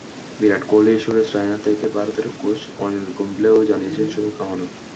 বিরাট কোহলি, সুরেশ রায়না থেকে ভারতের কোচ অনিল কুম্বলেও জানিয়েছেন শুভকামনা।